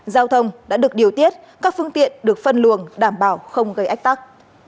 giao thông đã được điều tiết các phương tiện được phân luồng đảm bảo không gây ách tắc